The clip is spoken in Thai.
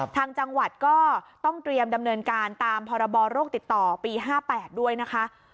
ทางจังหวัดก็ต้องเตรียมดำเนินการตามพรบโรคติดต่อปี๕๘ด้วยนะคะ